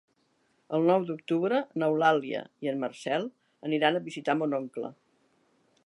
El nou d'octubre n'Eulàlia i en Marcel aniran a visitar mon oncle.